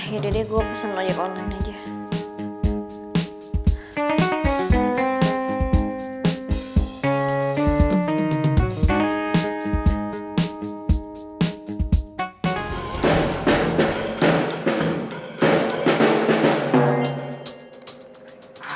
yaudah deh gue pesen lo di online aja